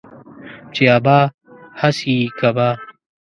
چي ابا ، هغه سي يې کبا.